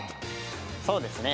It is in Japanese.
そうですね。